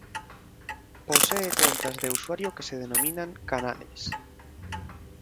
Posee cuentas de usuario que se denominan "canales".